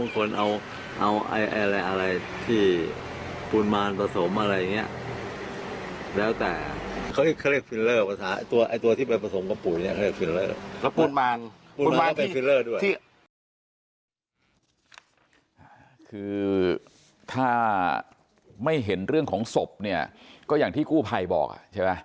คือถ้าไม่เห็นเรื่องของศพเนี่ยก็อย่างที่กู้ภัยบอกใช่ไหม